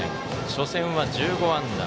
初戦は１５安打。